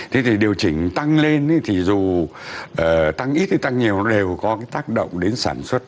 thế thì điều chỉnh tăng lên thì dù tăng ít thì tăng nhiều nó đều có cái tác động đến sản xuất